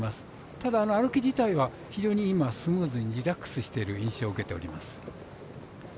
ただ、歩き自体は非常に、今スムーズにリラックスしている印象を受けています。